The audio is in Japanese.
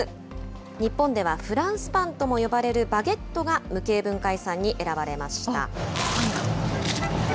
日本ではフランスパンとも呼ばれるバゲットが、無形文化遺産に選ばれました。